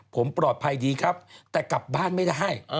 ผมปลอดภัยดีครับแต่กลับบ้านไม่ได้